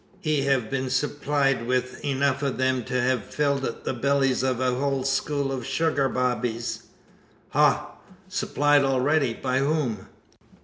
He hev been serplied wi' enuf o' them to hev filled the bellies o' a hul school o' shugar babbies." "Ha! Supplied already! By whom?"